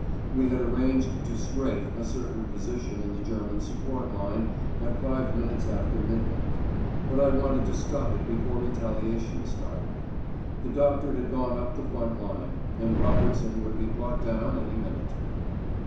We had arranged to "strafe" a certain position in the German support line at five minutes after midnight. But I wanted to stop it before retaliation started. The doctor had gone up the front line, and Robertson would be brought down any minute.